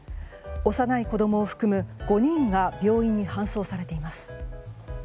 幼い子供を含む５人が病院に搬送されています。